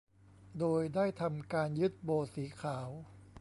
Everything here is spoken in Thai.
โดยได้ทำการยึดโบว์สีขาว